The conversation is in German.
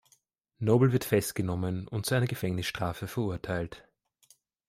Noble wird festgenommen und zu einer Gefängnisstrafe verurteilt.